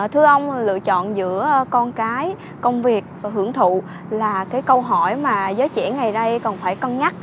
thưa ông lựa chọn giữa con cái công việc và hưởng thụ là cái câu hỏi mà giới trẻ ngày nay còn phải cân nhắc